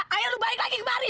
akhirnya lo balik lagi kemarin